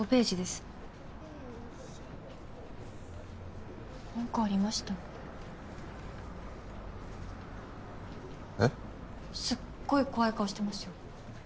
すっごい怖い顔してますよ。